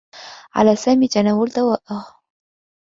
على سامي تناول دوائه.